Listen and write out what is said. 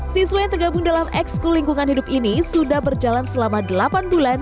siswa yang tergabung dalam ekskul lingkungan hidup ini sudah berjalan selama delapan bulan